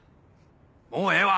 もうええわ！